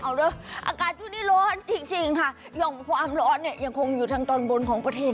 อากาศทุกที่ร้อนจริงค่ะย่องความร้อนยังคงอยู่ทางตอนบนของประเทศ